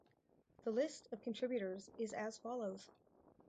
The list of contributors is as follows.